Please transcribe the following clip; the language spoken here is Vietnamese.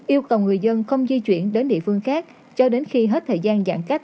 yêu cầu người dân không di chuyển đến địa phương khác cho đến khi hết thời gian giãn cách